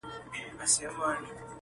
دواړي سترګي یې د سرو وینو پیالې وې!